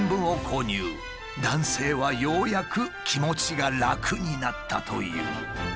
男性はようやく気持ちが楽になったという。